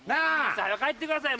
早帰ってください！